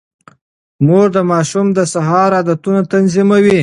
مور د ماشوم د سهار عادتونه تنظيموي.